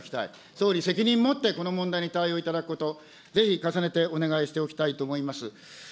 総理、責任もってこの問題に対応いただくこと、ぜひ重ねてお願いをしておきたいと思います。